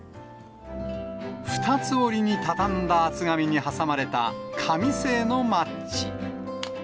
２つ折りに畳んだ厚紙に挟まれた紙製のマッチ。